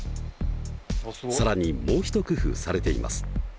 更にもう一工夫されています。